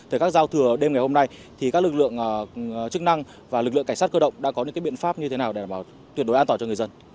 thời khắc giao thừa đêm ngày hôm nay thì các lực lượng chức năng và lực lượng cảnh sát cơ động đã có những biện pháp như thế nào để đảm bảo tuyệt đối an toàn cho người dân